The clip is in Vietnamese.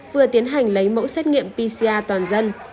vừa tiến hành lấy mẫu xét nghiệm pcr toàn dân